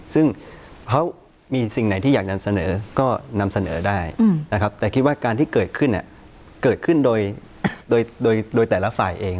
ซึ่งเพราะมีสิ่งไหนที่อยากจะเสนอก็นำเสนอได้นะครับแต่คิดว่าการที่เกิดขึ้นเกิดขึ้นโดยแต่ละฝ่ายเอง